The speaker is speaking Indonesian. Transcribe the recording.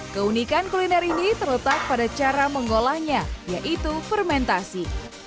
keunikan kuliner ini terletak pada cara mengolahnya yaitu fermentasi